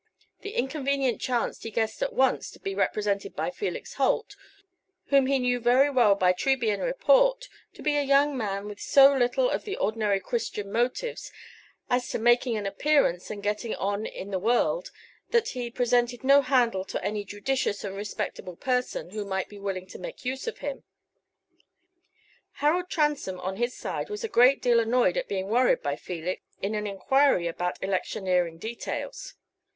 The inconvenient chance he guessed at once to be represented by Felix Holt, whom he knew very well by Trebian report to be a young man with so little of the ordinary Christian motives as to making an appearance and getting on in the world, that he presented no handle to any judicious and respectable person who might be willing to make use of him. Harold Transome, on his side, was a great deal annoyed at being worried by Felix in an enquiry about electioneering details.